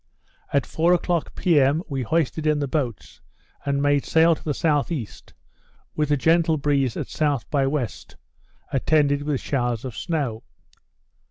At four o'clock p.m. we hoisted in the boats, and made sail to the S.E., with a gentle breeze at S. by W., attended with showers of snow.